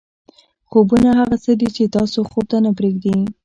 خوبونه هغه څه دي چې تاسو خوب ته نه پرېږدي.